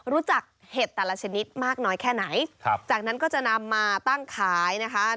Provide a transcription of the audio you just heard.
รู้จักเห็ดแต่ละชนิดมากน้อยแค่ไหนครับจากนั้นก็จะนำมาตั้งขายนะคะ